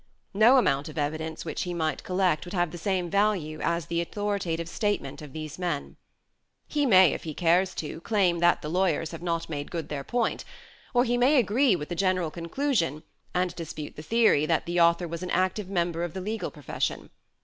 No amount of evidence which he might collect would have the same value as the authoritative statement of these men. He THE STRATFORDIAN VIEW 27 may, if he cares to, claim that the lawyers have not made good their point, or he may agree with the general conclusion, and dispute the theory that the author was an active member of the legal profession.